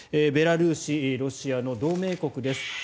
ベラルーシ、ロシアの同盟国です